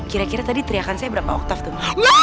kira kira tadi teriakan saya berapa oktav tuh